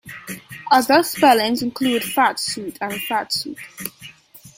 Other spellings include fat suit and fat-suit.